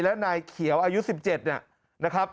และนายเขียวอายุ๑๗เนี่ยนะครับ